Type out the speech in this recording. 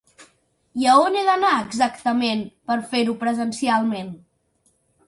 I a on he d'anar exactament, per fer-ho presencialment?